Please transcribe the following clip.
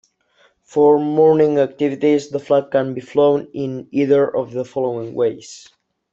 For mourning activities, the flag can be flown in either of the following ways.